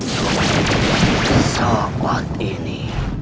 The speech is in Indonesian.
sampai saat ini